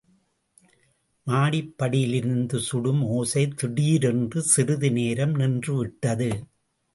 மாடிப்படியிலிருந்து சுடும் ஒசை திடீரென்று சிறிது நேரம் நின்றுவிட்டது.